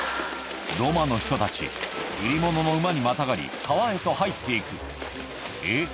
ロマの人たち売り物の馬にまたがり川へと入って行くえっ